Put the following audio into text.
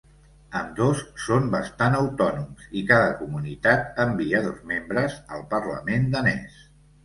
Ambdós són bastants autònoms i cada comunitat envia dos membres al Parlament danès.